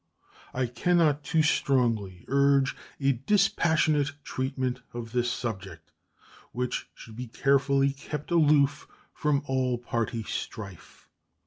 I can not too strongly urge a dispassionate treatment of this subject, which should be carefully kept aloof from all party strife.